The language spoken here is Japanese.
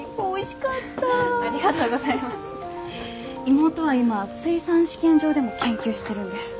妹は今水産試験場でも研究してるんです。